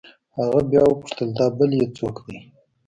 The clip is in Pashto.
هغه بيا وپوښتل دا بل يې سوک دې.